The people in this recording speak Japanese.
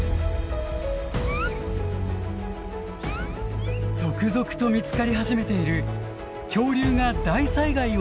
続々と見つかり始めている恐竜が大災害を生き延びた可能性。